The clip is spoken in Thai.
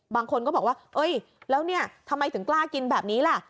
บางคนก็บอกว่าเอ้ยแล้วเนี่ยทำไมถึงกล้ากินแบบนี้ล่ะ